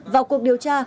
vào cuộc điều tra